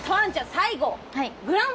最後。